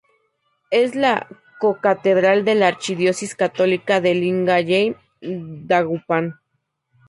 Es la co-catedral de la archidiócesis católica de Lingayen-Dagupan.